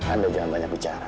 anda jangan banyak bicara